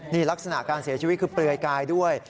นี่ลักษณะการเสียชีวิตคือเปลือยกายด้วย